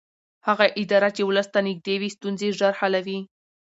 هغه اداره چې ولس ته نږدې وي ستونزې ژر حلوي